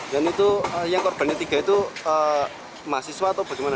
dan itu yang korbannya tiga itu mahasiswa atau bagaimana